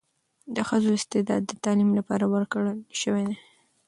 د ښځو استعداد د تعلیم لپاره ورکړل شوی دی.